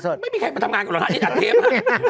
เพราะว่าไม่มีใครมาทำงานกันหรอกหะอันเทปค่ะ